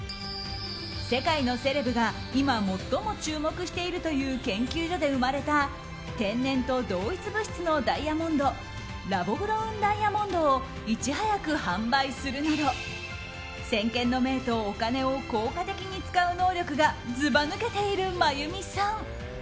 世界のセレブが今、最も注目しているという研究所で生まれた天然と同一物質のダイヤモンドラボグロウンダイヤモンドをいち早く販売するなど先見の明とお金を効果的に使う能力がずば抜けている真弓さん。